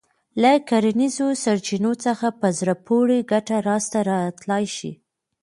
له کرنیزو سرچينو څخه په زړه پورې ګټه لاسته راتلای شي.